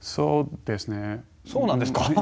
そうなんですか？